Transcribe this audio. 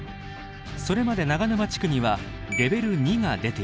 それまで長沼地区にはレベル２が出ていました。